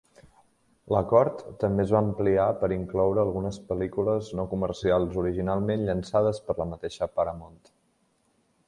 L'acord també es va ampliar per incloure algunes pel·lícules no comercials originalment llançades per la mateixa Paramount.